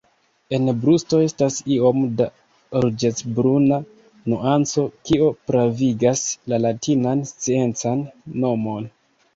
En brusto estas iom da ruĝecbruna nuanco, kio pravigas la latinan sciencan nomon.